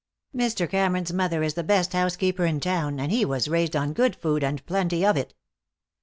Mr. Cameron's mother is the best housekeeper in town, and he was raised on good food and plenty of it."